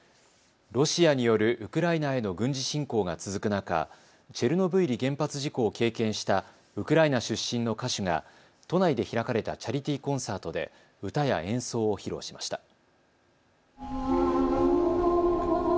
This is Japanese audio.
ロシアによるウクライナへの軍事侵攻が続く中、チェルノブイリ原発事故を経験したウクライナ出身の歌手が都内で開かれたチャリティーコンサートで歌や演奏を披露しました。